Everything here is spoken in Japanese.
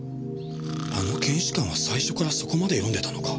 あの検視官は最初からそこまで読んでたのか？